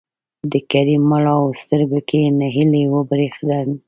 د کريم مړاوو سترګو کې نهيلي وبرېښېده.